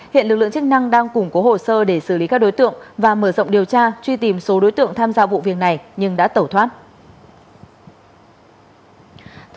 hiện lực lượng chức năng đang củng cố hồ sơ để xử lý các đối tượng và mở rộng điều tra truy tìm số đối tượng tham gia vụ việc này nhưng đã tẩu thoát